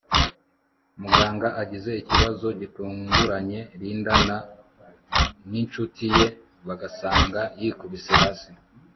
muganga agize ikibazo gitunguranye Linda na ninshuti ye bagasanga yikubise hasi